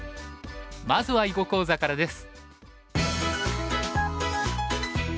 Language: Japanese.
まずは囲碁講座からです。